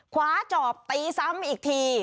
ขวาจอบตีซ้ำอีกที